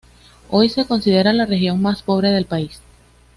Hoy se considera la región más pobre del país.